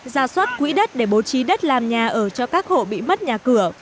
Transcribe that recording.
ra soát quỹ đất để bố trí đất làm nhà ở cho các hộ bị mất nhà cửa